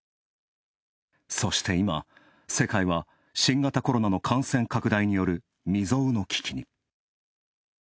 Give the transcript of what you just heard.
そして今、世界は新型コロナの感染拡大による未曽有の危機に。